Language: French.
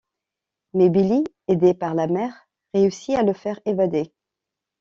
Mais Billy, aidé par la mer, réussit à le faire évader.